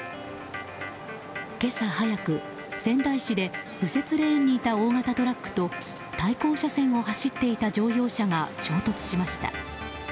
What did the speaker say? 今朝早く、仙台市で右折レーンにいた大型トラックと対向車線を走っていた乗用車が衝突しました。